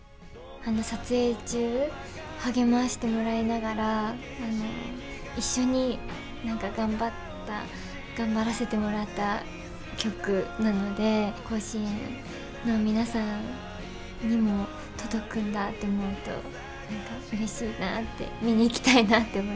撮影中、励ましてもらいながら一緒に頑張らせてもらった曲なので甲子園の皆さんにも届くんだって思うとうれしいなって見に行きたいなって思いますね。